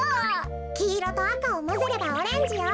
きいろとあかをまぜればオレンジよ。